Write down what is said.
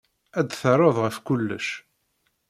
Ad d-terreḍ ɣef kullec.